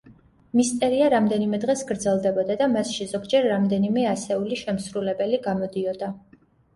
მისტერია რამდენიმე დღეს გრძელდებოდა და მასში ზოგჯერ რამდენიმე ასეული შემსრულებელი გამოდიოდა.